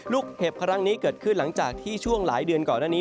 เห็บครั้งนี้เกิดขึ้นหลังจากที่ช่วงหลายเดือนก่อนอันนี้